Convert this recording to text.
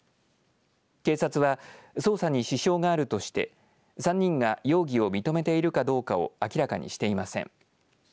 警察は捜査に支障があるとして３人が容疑を認めているかどうかを明らかにしていません。